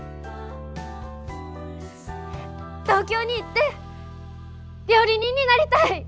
東京に行って料理人になりたい。